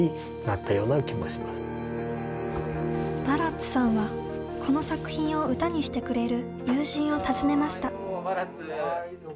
バラッツさんはこの作品を歌にしてくれる友人を訪ねました。